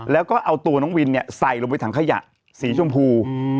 แล้วก็เอาตัวน้องวินใส่ลงไปถังขยะสีชมพู